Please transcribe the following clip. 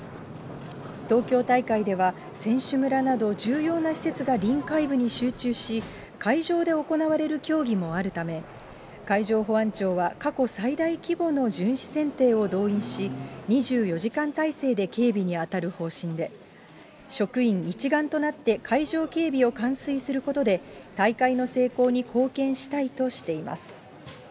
東京大会では、選手村など重要な施設が臨海部に集中し、海上で行われる競技もあるため、海上保安庁は過去最大規模の巡視船艇を動員し、２４時間態勢で警備に当たる方針で、職員一丸となって海上警備を完遂することで、大会の成功に貢献したいとしています。